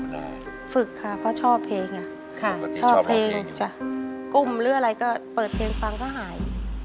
ได้ฝึกค่ะเพราะชอบเพลงอ่ะค่ะชอบเพลงจ้ะกุ้มหรืออะไรก็เปิดเพลงฟังก็หาย